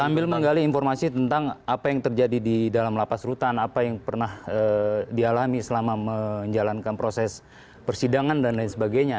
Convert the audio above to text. sambil menggali informasi tentang apa yang terjadi di dalam lapas rutan apa yang pernah dialami selama menjalankan proses persidangan dan lain sebagainya